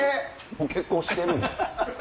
もう結婚してるんで。